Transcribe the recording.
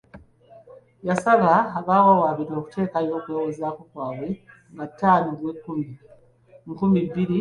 Yasaba abawawaabirwa okuteekayo okwewozaako kwabwe nga ttaano Ogwekkumi, nkumi bbiri mu abiri.